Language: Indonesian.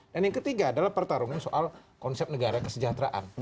dan yang ketiga adalah pertarungan soal konsep negara kesejahteraan